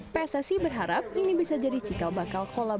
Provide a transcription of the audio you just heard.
pssi berharap ini bisa jadi cikal bakal kolam